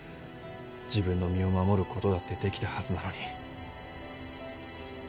自分の身を守ることだってできたはずなのに。